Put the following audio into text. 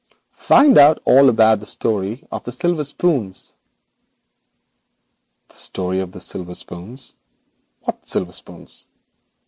Find out all about the story of the silver spoons.' 'The story of the silver spoons! What silver spoons?'